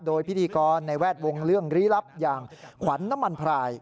โดยพิธีกรในแวดวงเรื่องลี้ลับอย่างขวัญน้ำมันพราย